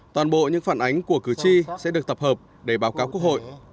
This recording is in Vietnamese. toàn bộ những phản ánh của cử tri sẽ được tập hợp để báo cáo quốc hội